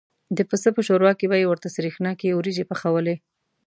د پسه په شوروا کې به یې ورته سرېښناکه وریجې پخوالې.